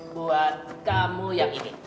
buat kamu yang ini